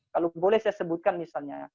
kalau boleh saya sebutkan misalnya